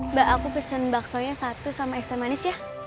mbak aku pesen bakso nya satu sama es teh manis ya